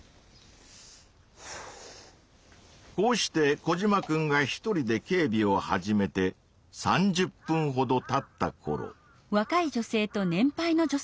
こうしてコジマくんがひとりで警備を始めて３０ぷんほどたったころ。